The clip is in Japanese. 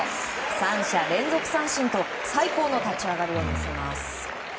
三者連続三振と最高の立ち上がりを見せます。